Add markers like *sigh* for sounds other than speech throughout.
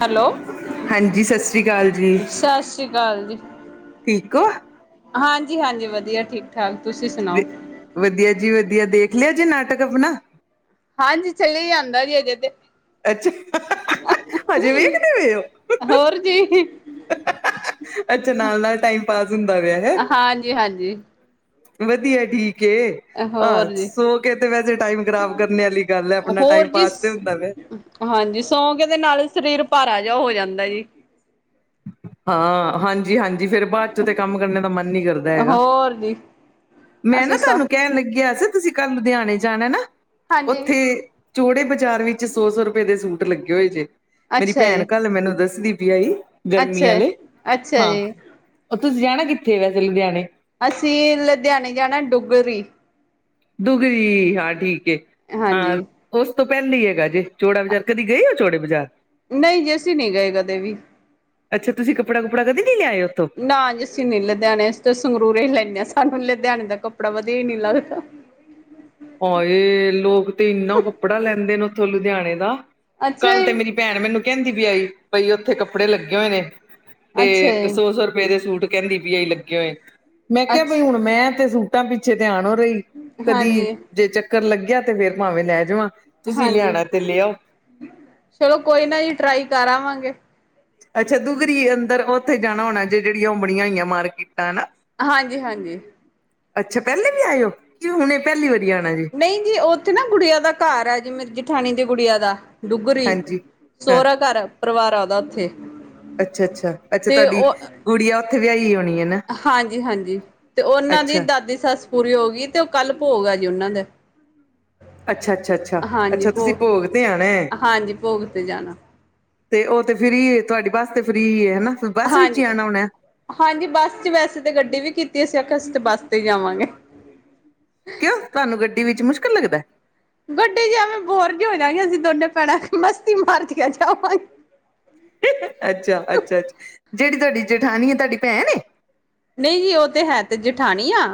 Hello ਹਾਂਜੀ, ਸਸਰੀ ਅਕਾਲ ਜੀ। ਸਸ ਸ਼੍ਰੀ ਅਕਾਲ ਜੀ। ਠੀਕ ਓ? ਹਾਂਜੀ-ਹਾਂਜੀ, ਵਧੀਆ ਠੀਕ-ਠਾਕ, ਤੁਸੀਂ ਸੁਣਾਓ? ਵਧੀਆ ਜੀ ਵਧੀਆ, ਦੇਖ ਲਿਆ ਜੇ ਨਾਟਕ ਅਪਣਾ? ਹਾਂਜੀ, ਚੱਲੀ ਜਾਂਦਾ ਜੀ ਅਜੇ ਤੇ। ਅੱਛਾ। ਹਜੇ ਵੇਖ ਦੇ ਪਏ ੳ। ਹੋਰ ਜੀ। ਅੱਛਾ, ਨਾਲ- ਨਾਲ ਟਾਈਮ ਪਾਸ ਹੁੰਦਾ ਵਆ ਹੈ। ਹਾਂਜੀ ਹਾਂਜੀ ਵਧੀਯੈ, ਠੀਕ ਏ। ਹਾਂ, ਹੋਰ ਜੀ ਸੋ ਕੇ ਤੇ ਵੈਸੇ ਟਾਈਮ ਖ਼ਰਾਬ ਕਰਨੇ ਆਲੀ ਗੱਲ ਏ, ਆਪਣਾ ਹੋਰ ਟਾਈਮ ਜੀ ਪਾਸ ਤੇ ਹੁੰਦਾ ਪਯੈ। ਹਾਂਜੀ, ਸੌਕੇਂ ਤੇ ਨਾਲੇ ਸ਼ਰੀਰ ਪਾਰਾ ਜੇਯਾ ਹੋ ਜਾਂਦਾ ਜੀ। ਹਾਂ, ਹਾਂਜੀ -ਹਾਂਜੀ। ਫੇਰ ਬਾਅਦ ਚ ਤੇ ਕੰਮ ਕਰਨ ਦਾ ਮਨ ਨੀ ਕਰਦਾ ਹੈਗਾ। ਹੋਰ ਜੀ ਮੈਂ ਨਾ ਅਸੀਂ ਸ ਤਵਾਨੂੰ ਕਹਣ ਲਗਆ ਸੀ, ਤੁਸੀ ਕਲ ਲੁਧਆਣੇ ਜਾਣੈ ਨਾ ਹਾਂਜੀ ਉਥੇ ਚੋੜੇ ਬਾਜ਼ਾਰ ਵਿੱਚ, ਸੌ- ਸੌ ਰੁਪਏ ਦੇ ਸੂਟ ਲੱਗੇ ਹੋਏ ਜੇ। ਮੇਰੀ ਅੱਛਾ ਪੈਣ ਜੀ ਕੱਲ ਮੈਨੂੰ ਦੱਸਦੀ ਪੀ ਆਈ। ਅੱਛਾ ਚੁੰਨੀਆਂ ਆਲੇ, ਅੱਛਾ ਹਾਂ ਜੀ ਉਹ ਤੁਸੀ ਜਾਣਾ ਕਿੱਥੇ ਵੈਸੇ ਲੁਧਆਣੇ? ਅਸੀ ਲੁਧਿਆਣੇ ਜਾਣਾ ਡੁੱਗਰੀ। ਡੁੱਗਰੀ ਹਾਂ ਠੀਕ ਏ ਹਾਂਜੀ ਹਾਂ, ਉਸ ਤੋਂ ਪਹਿਲੇ ਈ ਹੈਗਾ ਜੇ ਚੌੜਾ ਬਜ਼ਾਰ ਕਦੀ ਗਏ ੳ ਚੋੜੇ ਬਜਾਰ। ਨਹੀ ਜੀ, ਅਸੀ ਨੀ ਗਏ ਕਦੇ ਵੀ। ਅੱਛਾ। ਤੁਸੀ ਕੱਪੜਾ- ਕੁਪੜਾ ਕਦੀ ਨੀ ਲਯਾਏ ਉਥੋਂ? ਨਾ ਜੀ, ਅਸੀ ਨੀ ਲੁਧਿਆਣੇ ਅਸੀ ਤੇ ਸੰਗਰੂਰ ਹੀ ਲੈਣੇ ਆਂ, ਸਾਨੂੰ ਲੁਧਿਆਣੇ ਦਾ ਕੱਪੜਾ ਵਧੀਆ ਈ ਨੀ ਲੱਗਦਾ। ਹਾਏ, ਲੋਕ ਤੇ ਇੰਨਾ ਕੱਪੜਾ ਲੈਂਦੇ ਨੇ ਉਥੋਂ ਲੁਧਿਆਣੇ ਦਾ, ਅੱਛਾ ਕੱਲ ਜੀ ਵੀ ਪੈਣ ਮੈਨੂੰ ਕਹੰਦੀ ਪੀ ਆਈ ਪਈ, ਉੱਥੇ ਕੱਪੜੇ ਲੱਗੇ ਹੋਏ ਨੇ ਅੱਛਾ ਤੇ ਜੀ ਸੌ ਸੌ ਰੁਪਏ ਦੇ ਸੂਟ ਕਹੰਦੀ ਪੀ ਆਈ ਲੱਗੇ ਹੋਏ, ਮੈਂ ਕਹਾ ਬਈ ਅੱਛਾ ਹੁਣ ਮੈਂ ਤੇ ਸੂਟਾਂ ਪਿੱਛੇ ਤੇ ਆਣੌ ਰਈ- ਕਦੀ, ਹਾਂਜੀ ਜੇ ਚੱਕਰ ਲੱਗਆ ਤੇ ਫੇਰ ਪਾਂਵੇਂ ਲੈ ਜਾਵਾਂ। ਤੁਸੀਂ ਹਾਂਜੀ, ਲਿਆਣਾ ਤੇ ਲਿਆਓ ਚਲੋ ਕੋਈ ਨਾ ਜੀ ਟਰਾਈ ਕਰ ਆਵਾਂਗੇ। ਅੱਛਾ। ਦੁੱਗਰੀ ਅੰਦਰ ਉਥੇ ਜਾਣਾ ਹੋਣੈ ਜੇ ਜੇਹੜੀਆਂ ਉਹ ਬਣੀਆਂ ਹੋਈਐ ਮਾਰਕੀਟਾਂ ਹਨਾ। ਹਾਂਜੀ- ਹਾਂਜੀ। ਅੱਛਾ। ਪਹਲੇ ਵੀ ਆਏਓ ਕੇ ਹੁਣੇ ਪਹਲੀ ਵਾਰੀ ਆਉਣਾ ਜੇ। ਨਈ ਜੀ, ਔਥੇ ਨਾ ਗੁਡੀਆ ਦਾ ਕਰ ਐ ਜੀ, ਮੇਰੀ ਜਠਾਣੀ ਦੀ ਗੁਡੀਆ ਦਾ। ਡੁੱਗਰੀ, ਹਾਂਜੀ ਸੋਰਾ ਘਰ ਪਰਿਵਾਰ ਐ ਓਦਾ ਉੱਥੇ। ਅੱਛਾ- ਅੱਛਾ- ਅੱਛਾ ਤੇ ਤਵਾਡੀ ਉਹ ਗੁਡੀਆ ਉਥੇ ਵਯਾਈ ਹੋਣੀ ਏਨਾ। ਹਾਂਜੀ- ਹਾਂਜੀ। ਤੇ ਔਨਾਂ ਦੀ ਦਾਦੀ ਸੱਸ ਪੂਰੀ ਹੋ ਗੀ ਤੇ ਉਹ ਕੱਲ ਭੋਗ ਐ ਜੀ ਉਨਾਂ ਦੇ। ਅੱਛਾ- ਅੱਛਾ- ਅੱਛਾ -ਅੱਛਾ। ਤੁਸੀ ਭੋਗ ਤੇ ਆਣੈ। ਹਾਂਜੀ ਭੋਗ ਤੇ ਜਾਣਾ ਤੇ ਉਹ ਤੇ ਫ੍ਰੀ ਏ, ਤੁਹਾਡੀ ਬਸ ਤੇ ਫ੍ਰੀ ਏ ਨਾ। ਹਾਂਜੀ। ਹਾਂਜੀ। ਬੱਸ ਚ ਵੈਸੇ ਤੇ ਗੱਡੀ ਵੀ ਕੀਤੀ। ਅਸੀ ਆਖਆ ਅਸੀ ਤੇ ਬਸ ਤੇ ਜਾਵਾਂਗੇ। ਕਿਉਂ ਤਵਾਨੂੰ ਗੱਡੀ ਵਿੱਚ ਮੁਸ਼ਕਲ ਲੱਗਦੈ? ਗੱਡੀ ਚ ਐਵੇਂ ਬੋਰ ਜੇ ਹੋ ਜਾ ਗੇ ਅਸੀ ਦੋਨੇ ਭੈਣਾਂ ਮਸਤੀ ਮਾਰਦੀਆਂ ਜਾਵਾਂਗੇ। ਅੱਛਾ- ਅੱਛਾ- ਅੱਛਾ -ਅਛ। ਜੇੜੀ ਤੁਵਾਡੀ ਜੇਠਾਨੀ ਏ ਤੁਵਾਡੀ ਭੈਣ ਏ? ਨਈ ਜੀ ਉਹ ਤੇ ਹੈ ਤੇ ਜਠਾਣੀ ਆ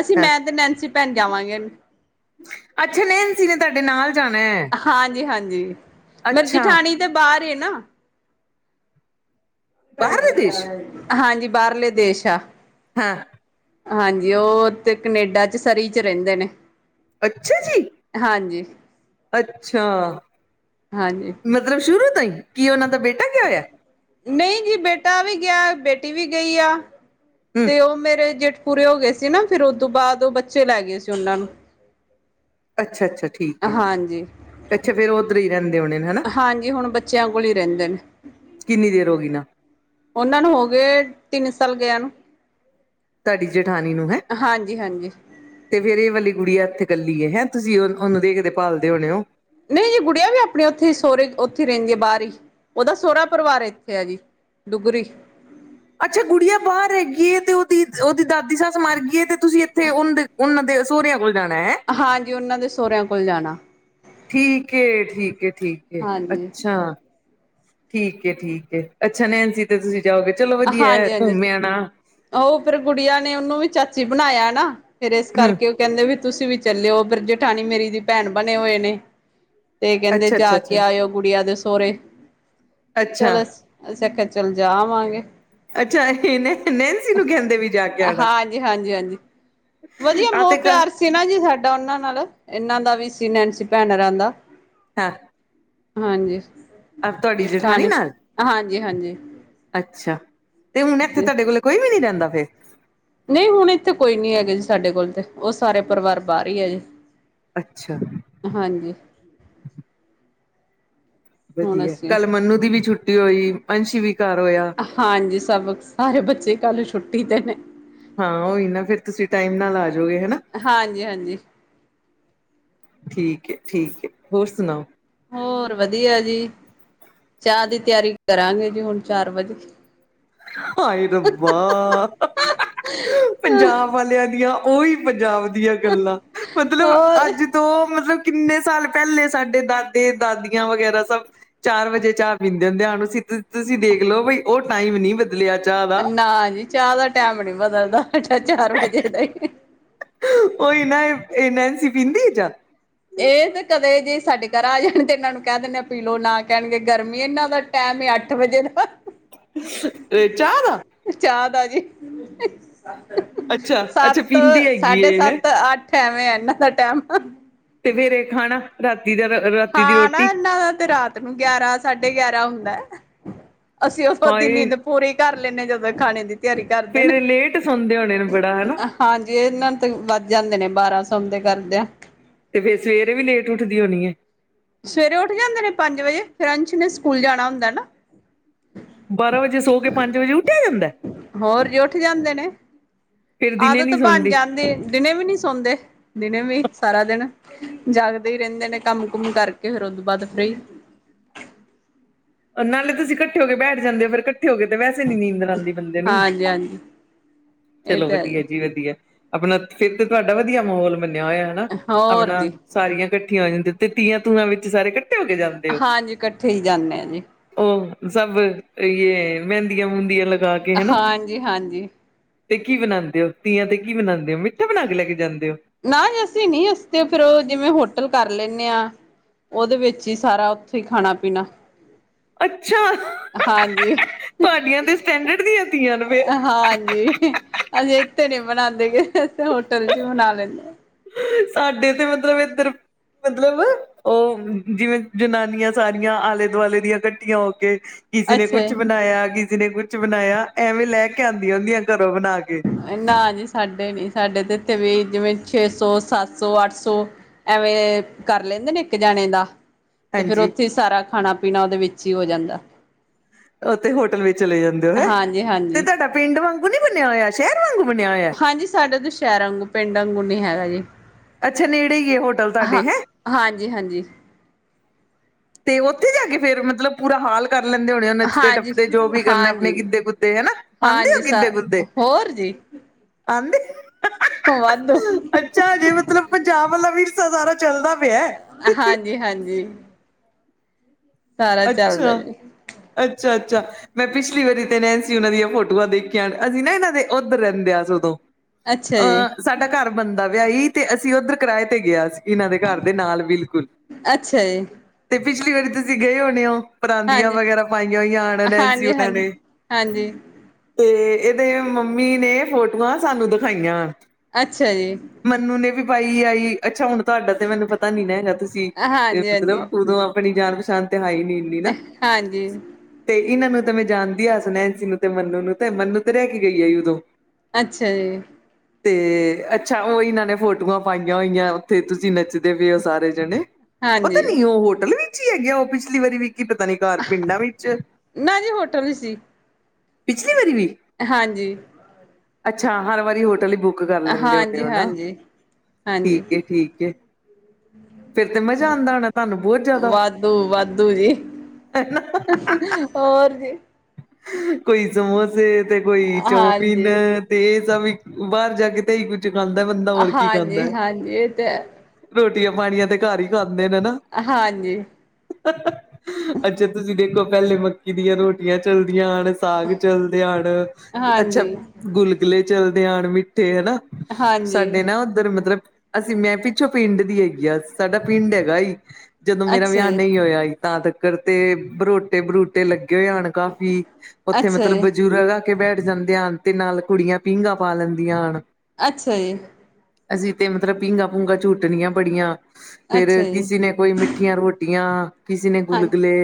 ਅਸੀ ਹਾਂ ਮੈਂ ਤੇ ਨੈਨਸੀ ਭੈਣ ਜਾਵਾਂਗੇ। ਅੱਛਾ। ਨੈਣਸੀ ਨੇ ਤਾਡੇ ਨਾਲ। ਜਾਣੈ। ਹਾਂਜੀ- ਹਾਂਜੀ। ਮੇਰੀ ਜਠਾਣੀ ਤੇ ਬਾਰ ਏ ਨਾ। ਬਾਹਰਲੇ ਦੇਸ਼ ਹਾਂਜੀ। ਬਾਰਲੇ ਦੇਸ਼ ਆ। ਹਾਂ। ਹਾਂਜੀ। ਉਹ ਤੇ ਕਨੇਡਾ ਚ ਸਰੀ ਚ ਰੈਂਦੇ ਨੇ। ਅੱਛਾ ਜੀ! ਹਾਂਜੀ-ਹਾਂਜੀ। ਅੱਛਾ। ਮਤਲ ਲਬ ਸ਼ੁਰੂ ਤੋਂ ਈ ਕੀ ਉਨਾਂ ਦਾ ਬੇਟਾ ਗਆ ਹੋਇਐ? ਨਹੀਂ ਜੀ ਬੇਟਾ ਵੀ ਗਿਆ, ਬੇਟੀ ਵੀ ਗਈ ਆ ਹੂੰ ਤੇ ਉਹ ਮੇਰੇ ਜੇਠ ਪੂਰੇ ਹੋ ਗਏ ਸੀ ਨਾ ਫਿਰ ਉਹਤੋਂ ਬਾਅਦ ਉਹ ਬੱਚੇ ਲੈ ਗਏ ਸੀ ਉਹਨਾਂ ਨੂੰ। ਅੱਛਾ ਅੱਛਾ ਠੀ ਠੀਕ ਏ, ਹਾਂਜੀ ਅੱਛਾ ਫਿਰ ਉਹਦਰੇ ਰਹਿੰਦੇ ਹੋਣੇ ਨੇ ਹਨਾ। ਹਾਂਜੀ ਹੁਣ ਬੱਚਿਆਂ ਕੋਲ ਹੀ ਰਹਿੰਦੇ ਨੇ ਕਿੰਨੀ ਦੇਰ ਹੋ ਗਈ ਉਹਨਾ ਨੂੰ? ਉਹਨਾਂ ਨੂੰ ਹੋ ਗਏ ਤਿੰਨ ਸਾਲ ਗਿਆ ਨੂੰ। ਤੁਹਾਡੀ ਜੇਠਾਣੀ ਨੂੰ ਹੈ? ਹਾਂਜੀ ਹਾਂਜੀ। ਤੇ ਫਿਰ ਇਹ ਵਾਲੀ ਗੁੜੀਆ ਇੱਥੇ ਇਕੱਲੀ ਏ ਹੈਂ ਤੁਸੀਂ ਓਨੂੰ ਦੇਖਦੇ ਪਾਲਦੇ ਹੋਣੇ ਓ। ਨਹੀ ਜੀ ਗੁਡੀਆ ਵੀ ਆਪਣੇ ਉੱਥੇ ਸੋਹਰੇ ਉੱਥੇ ਰਹਿੰਦੀ ਏ ਬਾਹਰ ਹੀ, ਉਹਦਾ ਸੋਹਰਾ ਪਰਿਵਾਰ ਇੱਥੇ ਆ ਜੀ। ਡੂਗਰੀ। ਅੱਛਾ ਗੁਡੀਆ ਬਾਹਰ ਹੈਗੀ ਏ ਤੇ ਉਹਦੀ ਉਹਦੀ ਦਾਦੀ ਸੱਸ ਮਰ ਗਈਏ ਤੇ ਤੁਸੀਂ ਇੱਥੇ ਉਹ ਉਹਨਾਂ ਦੇ ਸਹੁਰਿਆਂ ਕੋਲ ਜਾਣਾ ਹੈ। ਹਾਂਜੀ ਉਹਨਾਂ ਦੇ ਸਹੁਰਿਆਂ ਕੋਲ ਜਾਣਾ। ਠੀਕ ਏ ਠੀਕ ਏ ਠੀਕ ਏ ਹਾਂਜੀ ਅੱਛਾ। ਠੀਕ ਏ ਠੀਕ ਏ ਅੱਛਾ ਨੈਨਸੀ ਤੇ ਤੁਸੀਂ ਜਾਓਗੇ ਚਲੋ ਵਧੀਆ ਐ ਹਾਂਜੀ ਹਾਂਜੀ ਘੁੰਮ ਆਣਾ। ਉਹ ਫਿਰ ਗੁਡੀਆ ਨੇ ਉਹਨੂੰ ਵੀ ਚਾਚੀ ਬਣਾਇਆ ਨਾ ਫਿਰ ਇਸ ਹੂੰ ਕਰਕੇ। ਕਹਿੰਦੇ ਵੀ ਤੁਸੀਂ ਵੀ ਚੱਲਿਓ ਫਿਰ ਜੇਠਾਣੀ ਮੇਰੀ ਦੀ ਭੈਣ ਬਣੇ ਹੋਏ ਨੇ। ਤੇ ਕਹਿੰਦੇ ਅੱਛਾ ਅੱਛਾ ਜਾ ਕੇ ਅੱਛਾ ਆਇਓ ਗੁਡੀਆ ਦੇ ਸੋਹਰੇ। ਅੱਛਾ ਚਲੋ ਅਸੀਂ ਅਸੀਂ ਆਖਿਆ ਚਲ ਜਾ ਆਵਾਂਗੇ। ਅੱਛਾ ਇਹ ਨੇ ਨੈਨਸੀ ਨੂੰ ਕਹਿੰਦੇ ਵੀ ਜਾ ਕੇ ਆਣਾ, ਹਾਂਜੀ ਹਾਂਜੀ ਹਾਂਜੀ ਵਧੀਆ ਆਹ ਤੇ ਮੋਹ ਪਿਆਰ ਸੀ ਨਾ ਜੀ ਸਾਡਾ ਉਹਨਾਂ ਨਾਲ, ਇਹਨਾਂ ਦਾ ਵੀ ਸੀ ਨੈਨਸੀ ਭੈਣ ਹੁਰਾ ਦਾ। ਹਾਂ। ਹਾਂਜੀ, ਤੁਹਾਡੀ ਜੇਠਾਣੀ ਜਠਾਣੀ, ਨਾਲ ਹਾਂਜੀ ਹਾਂਜੀ। ਅੱਛਾ ਤੇ ਹੁਣ ਇੱਥੇ ਤੁਹਾਡੇ ਕੋਲ ਕੋਈ ਵੀ ਨੀ ਰਹਿੰਦਾ ਫਿਰ। ਨਹੀ ਹੁਣ ਇੱਥੇ ਕੋਈ ਨੀ ਹੈਗੇ ਜੀ ਸਾਡੇ ਕੋਲ ਤੇ ਉਹ ਸਾਰੇ ਪਰਿਵਾਰ ਬਾਹਰ ਹੀ ਆ ਜੀ। ਅੱਛਾ। ਹਾਂਜੀ। ਹੁਣ ਵਧੀਆ, ਅਸੀਂ ਕੱਲ ਮੰਨੂੰ ਦੀ ਵੀ ਛੁੱਟੀ ਹੋਈ, ਅੰਸ਼ ਵੀ ਘਰ ਹੋਇਆ। ਹਾਂਜੀ ਸਭ ਸਾਰੇ ਬੱਚੇ ਕੱਲ ਛੁੱਟੀ ਤੇ ਨੇ। ਹਾਂ ਉਹੀ ਨਾ ਫਿਰ ਤੁਸੀ ਟਾਈਮ ਨਾਲ ਆ ਜਾਓਗੇ ਹਨਾ। ਹਾਂਜੀ ਹਾਂਜੀ ਠੀਕ ਏ ਠੀਕ ਏ ਹੋਰ ਸੁਣਾਓ? ਹੋਰ ਵਧੀਆ ਜੀ। ਚਾਹ ਦੀ ਤਿਆਰੀ ਕਰਾਂਗੇ ਜੀ ਹੁਣ ਚਾਰ ਵਜੇ। ਹਾਏ ਰੱਬਾ। ਹਮ ਪੰਜਾਬ ਵਾਲਿਆਂ ਦੀਆਂ ਉਹੀ ਪੰਜਾਬ ਦੀਆ ਗੱਲਾ ਮਤਲਬ ਹੋਰ ਅੱਜ ਤੋਂ ਮਤਲਬ ਕਿੰਨੇ ਸਾਲ ਪਹਿਲੇ ਸਾਡੇ ਦਾਦੇ ਦਾਦੀਆਂ ਵਗੈਰਾ ਸਭ ਚਾਰ ਵਜੇ ਚਾਹ ਪੀਂਦੇ ਹੁੰਦੇ ਹੁਣ ਤੁਸੀਂ ਦੇਖ ਲਓ ਬਈ ਉਹ ਟਾਈਮ ਨੀ ਬਦ ਲਿਆ ਚਾਹ ਦਾ ਨਾ ਜੀ ਚਾਹ ਦਾ ਟੈਮ ਨੀ ਬਦਲਦਾ ਹੈਗਾ ਚਾਰ ਵਜੇ ਦਾ ਈ। ਓਹੀ ਨਾ ਇਹ ਨੈਨਸੀ ਪੀਂਦੀ ਏ ਚਾਹ? ਇਹ ਤੇ ਕਦੇ ਜੇ ਸਾਡੇ ਘਰ ਆ ਜਾਣ ਤੇ ਇਹਨਾਂ ਨੂੰ ਕਹਿ ਦਿੰਨੇ ਆ ਪੀਲੋ ਨਾ ਕਹਿਣਗੇ ਗਰਮੀ ਇਹਨਾਂ ਦਾ ਟੈਮ ਐ ਅੱਠ ਵਜੇ ਦਾ। ਏ ਚਾਹ ਦਾ ਚਾਹ ਦਾ ਆ ਜੀ ਅੱਛਾ ਅੱਛਾ ਸੱਤ, ਪੀਂਦੀ ਹੈਗੀ ਸਾਢੇ ਇਹ ਹੈ ਸੱਤ, ਅੱ ਠ ਐਵੇਂ ਆ ਐਨਾ ਦਾ ਟੈਮ। ਤੇ ਫੇਰ ਏ ਖਾਣਾ ਰਾਤੀ ਦਾ ਰਾਤੀ ਦੀ ਖਾਣਾ ਰੋਟੀ ਏਨਾ ਦਾ ਤੇ ਰਾਤ ਨੂੰ ਗਿਆਰਾ, ਸਾਢੇ ਗਿਆਰਾ ਹੁੰਦੈ। ਅਸੀ ਓਦੋਂ ਤੋ ਅੱਧੀ ਹਾਏ ਨੀਦ ਪੂਰੀ ਕਰ ਲੈਨੇ ਆ ਜਦੋ ਏ ਖਾਣੇ ਦੀ ਤਿਆਰੀ ਕਰਦੇ ਫੇਰ ਏ ਲੇਟ ਸੌਦੇਂ ਹੋਣੇ ਨੇ ਬੜਾ ਹਨਾ। ਹਾਜੀ ਏਨਾ ਨੂੰ ਤੇ ਵੱਜ ਜਾਦੇ ਨੇ ਬਾਰਾਂ ਸੋਂਦੇ ਕਰਦਿਆ। ਤੇ ਫਿਰ ਸਵੇਰੇ ਵੀ ਲੇਟ ਉੱਠਦੀ ਹੋਣੀ ਏ। ਸਵੇਰੇ ਉੱਠ ਜਾਂਦੇ ਨੇ ਪੰਜ ਵਜੇ ਫੇਰ ਅੰਸ਼ ਨੇ ਸਕੂਲ ਜਾਣਾ ਹੁੰਦਾ ਨਾ। ਬਾਰਾਂ ਵਜੇ ਸੌ ਕੇ ਪੰਜ ਵਜੇ ਉੱਠਿਆ ਜਾਂਦੈ? ਹੋਰ ਜੇ ਉੱਠ ਜਾਂਦੇ ਨੇ ਫੇਰ ਦਿਨੇ ਆਦਤ ਨੀ ਬਣ ਸੌਂਦੀ ਜਾਂਦੀ ਦਿਨੇ ਵੀ ਨੀ ਸੋਂਦੇ। ਦਿਨੇ ਵੀ ਸਾਰਾ ਦਿਨ ਜਾਗਦੇ ਈ ਰੈਂਦੇ ਨੇ ਕੰਮ-ਕੁੰਮ ਕਰਕੇ ਫਿਰ ਉਦੋ ਬਾਦ ਫਰੀ। ਨਾਲੇ ਤੁਸੀ ਇਕੱਠੇ ਹੋ ਕੇ ਬੈਠ ਜਾਦੇ ਓ ਫਿਰ ਕ ਠੇ ਹੋ ਕੇ ਤੇ ਵੈਸੇ ਨੀ ਨੀਂਦਰ ਆਦੀ ਬੰਦੇ ਨੂੰ ਹਾਂਜੀ ਹਾਂਜੀ ਇਹ ਚਲੋ ਤਾਂ ਵਧੀਆ ਜੀ ਹੈ ਵਧੀਆ। ਆਪਣਾ ਫਿਰ ਤਾਂ ਤੁਹਾਡਾ ਮਹੌਲ ਮੰਨਿਆ ਹੋਇਆ ਹਨਾ ਹੋਰ ਆਪਣਾ ਜੀ ਸਾਰੀਆ ਇਕੱਠੀਆ ਹੋ ਜਾਣ ਤੇ ਤੀਆਂ-ਤੂੰਆਂ ਵਿੱਚ ਸਾਰੇ ਕੱ ਹਾਜੀ ਕੱਠੇ ਈ ਜਾਨੇ ਆ ਜੀ। ਓ ਸਭ ਏ ਯੇ ਮੈਂਦੀਆਂ-ਮੂੰਦੀਆਂ ਲਗਾ ਕੇ ਹਨਾ। ਹਾਂਜੀ ਹਾਂਜੀ ਤੇ ਕੀ ਬਣਾਂਦੇ ਓ ਤੀਆਂ ਤੇ ਕੀ ਬਣਾਦੇ ਓ ਮਿੱਠਾ ਬਣਾ ਕੇ ਲੈ ਕੇ ਜਾਦੇ ਓ? ਨਾ ਜੀ ਅਸੀ ਨੀ ਅਸੀ ਤੇ ਫਿਰ ਓ ਜਿਵੇਂ ਹੋਟਲ ਕਰ ਲੈਨੇ ਆ ਓਦੇ ਵਿੱਚ ਈ ਸਾਰਾ ਉੱਥੇ ਈ ਖਾਣਾ-ਪੀਣਾ ਅੱਛਾ ਹਾਂਜੀ ਤੁਹਾਡੀਆ ਤੇ ਸਟੈਡਰਡ ਦੀਆ ਤੀਆਂ ਨੇ ਫੇਰ। ਹਾਂਜੀ। ਅਸੀ ਇੱਥੇ ਨੀ ਮਨਾਂਦੇ ਗੇ ਅ ਹੋਟਲ ਚ ਈ ਮਨਾ ਲੈਨੇ ਸਾਡੇ ਤੇ ਮਤਲਬ ਏਧਰ ਮਤਲਬ ਓ ਜਿਵੇਂ ਜਨਾਨੀਆ ਸਾਰੀਆ ਆਲੇ-ਦੁਆਲੇ ਦੀਆ ਕੱਠੀਆ ਹੋ ਕੇ ਕਿਸੇ ਨੇ ਅੱਛਾ ਕੁਛ ਜੀ। ਬਣਾਇਆ ਕਿਸੇ ਨੇ ਕੁਛ ਬਣਾਇਆ ਐਵੇ ਲੈ ਕੇ ਆਂਦੀਆਂ ਹੁੰਦੀਆ ਘਰੋ ਬਣਾ ਕੇ। ਅ ਨਾ ਜੀ ਸਾਡੇ ਨੀ ਸਾਡੇ ਤੇ ਏਥੇ ਵੀ ਜਿਵੇਂ ਛੇ ਸੋ, ਸੱਤ ਸੋ, ਅੱਠ ਸੋ ਐਵੇਂ, ਕਰ ਲੈਂਦੇ ਨੇ ਇੱਕ ਜਾਣੇ ਦਾ। ਤੇ ਫਿਰ ਹਾਂਜੀ ਓਥੀ ਸਾਰਾ ਖਾਣਾ-ਪੀਣਾ ਓਦੇ ਵਿੱਚ ਈ ਹੋ ਜਾਂਦਾ। ਓਤੇ ਹੋਟਲ ਵਿੱਚ ਚਲੇ ਜਾਂਦੇ ਨੇ ਹਾਂਜੀ ਤੇ ਹਾਂਜੀ ਧਾਡਾ ਪਿੰਡ ਵਾਂਗੂ ਨੀ ਬਣਿਆ ਹੋਇਆ ਸ਼ੈਰ ਵਾਂਗੂ ਬਣਿਆ ਹੋਇਐ? ਹਾਂਜੀ ਸਾਡੇ ਧ ਸ਼ੈਰ ਗੁੰ ਪਿੰਡ ਆਂਗੂੰ ਨੀ ਹੈਗਾ ਜੀ। ਅੱਛਾ ਨੇੜੇ ਈ ਏ ਹੋਟਲ ਤਾਡੇ ਹੈਂ? ਹਾਂਜੀ-ਹਾਂਜੀ। ਤੇ ਓਥੇ ਜਾ ਕੇ ਫੇਰ ਮਤਲਬ ਪੂਰਾ ਹਾਲ ਕਰ ਲੈਂਦੇ ਹੋਣੇ ਓ ਹਾਂਜੀ ਨੱਚਦੇ-ਟੱਪਦੇ ਜੋ ਵੀ ਕਰਨੈ ਅਪਣੇ ਹਾਂਜੀ ਗਿੱਧੇ ਗੁੱਦੇ ਹਨਾ, ਹਾਂਜੀ ਪਾਂਦੇਓ ਸ ਗਿੱਧੇ-ਗੁੱਦੇ? ਹੋਰ ਜੀ। ਆਂਦੇ। ਵਾਧੂ। ਅੱਛਾ, ਅਜੇ ਮਤਲਬ ਪੰਜਾਬ ਆਲਾ ਵੀਰਸਾ ਸਾਰਾ ਚੱਲਦਾ ਪਿਐ। ਹਾਂਜੀ-ਹਾਂਜੀ। ਜੀ ਅੱਛਾ-ਅੱਛਾ-ਅੱਛਾ। ਮੈਂ ਪਿਛਲੀ ਵਾਰੀ ਤੇ ਨੈਨਸੀ ਓਨਾਂ ਦੀਆਂ ਫੋਟੋਆਂ ਦੇਖੀਆਂ ਅਸੀਂ ਨਾ ਇਨਾਂ ਦੇ ਓਧਰ ਰੈਂਦੇ ਆ ਸ ਓਦੋਂ। ਅੱਛਾ ਜੀ ਅ ਸਾਡਾ ਘਰ ਬਣਦਾ ਪਿਆ ਈ ਤੇ ਅਸੀਂ ਉੱਧਰ ਕਰਾਏ ਤੇ ਗਿਆ ਸੀ। ਇਨਾਂ ਦੇ ਘਰ ਦੇ ਨਾਲ ਬਿਲਕੁਲ, ਅੱਛਾ ਜੀ ਤੇ ਪਿਛਲੀ ਵਾਰੀ ਤੁਸੀਂ ਗਏ ਹੋਣੇ ਓ? ਪਰਾਂਦੀਆਂ ਹਾਂਜੀ ਵਗੈਰਾ ਪਾਈਆਂ ਓਈਆਂ ਆਣੇ ਨ ਸੀ ਹਾਂਜੀ ਊਣਾਂ ਹਾਂਜੀ ਨੇ। ਹਾਂਜੀ ਤੇਅ ਇਹਦੇ ਅ ਮੰਮੀ ਨੇ ਫੋਟੋਆਂ ਸਾਨੂੰ ਦਖਾਈਆਂ। ਅੱਛਾ ਜੀ। ਮੰਨੂੰ ਨੇ ਵੀ ਪਾਈ ਆਈ ਅੱਛਾ ਹੁਣ ਤੁਹਾਡਾ ਤੇ ਮੈਨੂੰ ਪਤਾ ਨੀ ਨਾ ਹੈਗਾ ਅ ਤੁਸੀਂ ਏ ਹਾਂਜੀ ਹਾਂਜੀ, ਮਤਲਬ ਉਦੋਂ ਅਪਣੀ ਜਾਨ ਪਛਾਣ ਤੇ ਹੈ ਈ ਨੀ ਏ ਅ-ਹਾਂਜੀ। ਤੇ ਇੰਨਾਂ ਨੂੰ ਤੇ ਮੈਂ ਜਾਣਦੀ ਆ ਸੁਨੈਂਸੀ ਨੂੰ ਤੇ ਮੰਨੂੰ ਨੂੰ ਤੇ ਮੰਨੂੰ ਤੇ ਰੈਅ ਕੇ ਗਈ ਐ ਉਦੋਂ। ਅੱਛਿਆ ਜੀ। ਤੇ ਅੱਛਾ ਓ ਇੰਨਾਂ ਨੇ ਫੋਟੋਆਂ ਪਾਈਆਂ ਓਈਆਂ ਉੱਥੇ ਤੁਸੀਂ ਨੱਚ ਦੇ ਵੇ ਓ ਸਾਰੇ ਜਣੇ, ਪਤਾ ਹਾਂਜੀ, ਨੀ ਓ ਹੋਟਲ ਵਿੱਚ ਈ ਐਗੇ ਓ ਪਿਛਲੀ ਵਾਰੀ ਵੀ ਕੀ ਪਤਾ ਨੀ ਘਰ ਪਿੰਡਾਂ ਵਿੱਚ, ਨਾ ਜੀ ਹੋਟਲ ਹੀ ਸੀ। ਪਿਛਲੀ ਵਾਰੀ ਵੀ। ਹਾਂਜੀ। ਅੱਛਾ ਹਰ ਵਾਰੀ ਹੋਟਲ ਈ ਬੁੱ ਕਰ ਲੈਂਦੇ ਹੋਣੇ ਹਾਂਜੀ ਓ ਨਾ, ਹਾਂਜੀ, ਹਾਂਜੀ। ਠੀਕ ਐ ਠੀਕ ਐ ਫਿਰ ਤੇ ਮਜ਼ਾ ਆਂਦਾ ਹੋਣਾ ਤਾਨੂੰ ਬੋਤ ਜ਼ਾਦਾ? ਹੂੰ ਵਾਧੂ ਜੀ। *inaudible* ਹੋਰ ਜੀ। ਕੋਈ ਸਮੋਸੇ ਤੇ ਕੋਈ ਚੋਮੀਨ। ਹਾਂਜੀ। ਤੇ ਏ ਸਵੀ ਬਾਰ ਜਾ ਕੇ ਤੇ ਐਈ ਕੁਛ ਖਾਂਦਾ ਬੰਦਾ ਓਰ ਕੀ ਹਾਂਜੀ ਖਾਂਦਾ। ਹਾਂਜੀ, ਇਹ ਤੇ ਰੋਟੀਆਂ, ਪਾਣੀਆਂ ਤੇ ਘਰ ਈ ਖਾਂਦੇ ਨੇ ਨਾ। ਹਾਂਜੀ। ਅੱਛਾ ਤੁਸੀਂ ਦੇਖੋ ਪੈਲੇ ਮੱਕੀ ਦੀਆਂ ਰੋਟੀਆਂ ਚਲਦੀਆਂ ਆਣ ਸ ਸਾਗ ਚਲਦੇ ਆਣ ਅ ਅੱਛਾ, ਹਾਂਜੀ। ਗੁਲਗੁਲੇ ਚਲਦੇ ਆਣ ਮਿੱਠੇ ਹਨਾ। ਹਾਂਜੀ, ਸਾਡੇ ਨਾ ਉੱਧਰ ਮਤਲਬ ਅਸੀਂ ਮੈਂ ਪਿੱਛੋਂ ਪਿੰਡ ਦੀ ਐਗੀ ਆ, ਸਾਡਾ ਪਿੰਡ ਐਗਾ ਈ ਜਦੋਂ ਮੇਰਾ ਅੱਛਾ ਵਿਆਹ ਜੀ, ਨਹੀਂ ਹੋਈਆ ਐ। ਤਾਂ ਤੱਕਰ ਤੇ ਬਰੋਟੇ ਬਰੂਟੇ ਲੱਗੇ ਹੋਏ ਹਾਣ ਕਾਫ਼ੀ ਉੱਥੇ ਅੱਛਾ ਮਤਲਬ ਜੀ, ਬਜ਼ੁਰਗਾ ਕੇ ਬੈਠ ਜਾਂਦੇ ਹਾਣ ਤੇ ਨਾਲ ਕੁੜੀਆਂ ਪੀਂਘਾਂ ਪਾ ਲੈਂਦੀਆਂ ਹਾਣ। ਅੱਛਾ ਜੀ। ਅਸੀਂ ਤੇ ਮਤਲਬ ਪੀਘਾਂ ਭੂੰਗਾਂ ਝੂਟਣੀਆਂ ਬੜੀਆਂ, ਫੇਰ ਅੱਛਾ ਜੀ, ਕਿਸੀ ਨੇ ਕੋਈ ਮਿੱਠੀਆਂ ਰੋਟੀਆਂ, ਕਿਸੇ ਨੇ ਹਾਂ, ਗੁਲਗੁਲੇ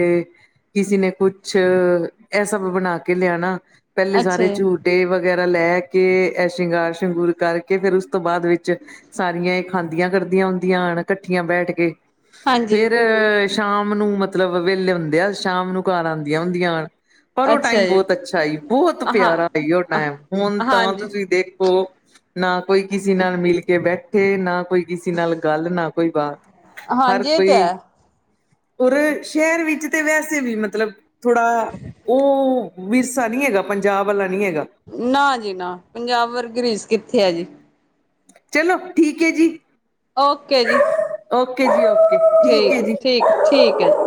ਕਿਸੇ ਨੇ ਕੁਛ ਇਹ ਸਭ ਬਣਾ ਕੇ ਲਿਆਣਾ, ਪਹਿਲੇ ਅੱਛਾ ਸਾਰੇ ਜੀ, ਝੂਟ ਝੂਟੇ ਵਗੈਰਾ ਲੈ ਕੇ ਐ ਸ਼ਿੰਗਾਰ ਸ਼ਿੰਗੂਰ ਕਰਕੇ ਫਿਰ ਉਸ ਤੋਂ ਬਾਦ ਵਿੱਚ ਸਾਰੀਆਂ ਇਹ ਖਾਂਦੀਆਂ ਕਰਦੀਆਂ ਹੁੰਦੀਆਂ ਹਨ ਇਕੱਠੀਆਂ ਬੈਠ ਕੇ। ਹਾਂਜੀ, ਫੇਰ ਸ਼ਾਮ ਨੂੰ ਮਤਲਬ ਵਿਹਲੇ ਹੁੰਦੇ ਆ ਸ਼ਾਮ ਨੂੰ ਘਰ ਆਦੀਆਂ ਹੁੰਦੀਆਂ ਹਨ। ਪਰ ਉਹ ਟਾਈਮ ਅੱਛਾ ਜੀ, ਬਹੁਤ ਅੱਛਾ ਈ ਬਹੁਤ ਹਾਂ। ਪਿਆਰਾ ਈ ਉਹ ਟਾਈਮ ਹੁਣ ਤਾਂ ਹਾਂਜੀ। ਤੁਸੀਂ ਦੇਖੋ ਨਾ ਕੋਈ ਕਿਸੇ ਨਾਲ ਮਿਲ ਕੇ ਬੈਠੇ ਨਾ ਕੋਈ ਕਿਸੇ ਨਾਲ ਗੱਲ ਨਾ ਕੋਈ ਬਾਤ ਹਰ ਹਾਂਜੀ ਇਹ ਤੇ ਕੋਈ ਹੈ ਔਰ ਸ਼ਹਿਰ ਵਿੱਚ ਤੇ ਵੈਸੇ ਵੀ ਮਤਲਬ ਥੋੜਾ ਉਹ ਵਿਰਸਾ ਨੀ ਹੈਗਾ ਪੰਜਾਬ ਵਾਲਾ ਨੀ ਹੈਗਾ। ਨਾ ਜੀ ਨਾ ਪੰਜਾਬ ਵਰਗੀ ਰੀਸ ਕਿੱਥੇ ਆ ਜੀ। ਚਲੋ ਠੀਕ ਐ ਜੀ। ਓਕੇ ਜੀ। ਓਕੇ ਜੀ ਓ ਠੀਕ-ਠੀਕ-ਠੀਕ ਹੈ ਜੀ।